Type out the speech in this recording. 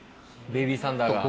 ベビーサンダーが。